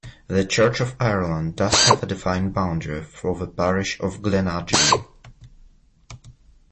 The Church of Ireland does have a defined boundary for the Parish of Glenageary.